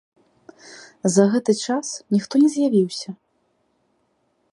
За гэты час ніхто не з'явіўся.